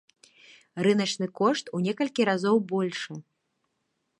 Рыначны кошт у некалькі разоў большы.